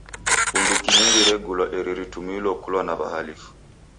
Bunduki nyingi regulwa eri ritumilo kulwa na w'ahalifu.